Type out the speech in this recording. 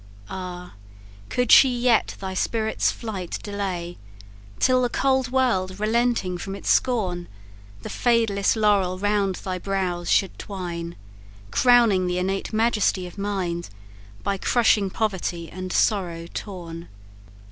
Ah, could she yet thy spirit's flight delay, Till the cold world, relenting from its scorn, The fadeless laurel round thy brows should twine, Crowning the innate majesty of mind, By crushing poverty and sorrow torn.